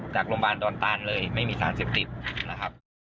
จากโรงพยาบาลดอนตานเลยไม่มีสารเสพติดนะครับ